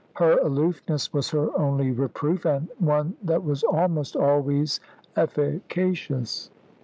Her aloofness was her only reproof, and one that was almost always efficacious.